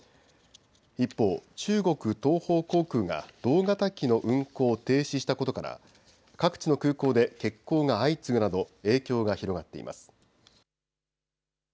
一方、中国東方航空が同型機の運航を停止したことから各地の空港で欠航が相次ぐなど影響が広がっています。